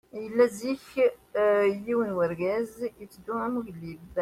Yella zik yiwen n urgaz, yetteddu am ugellid.